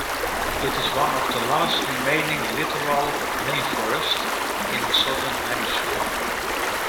It is one of the last remaining littoral rainforests in the Southern Hemisphere.